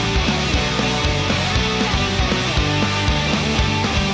มันอยู่ที่หัวใจ